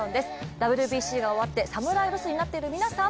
ＷＢＣが終わって侍ロスになっている皆さん。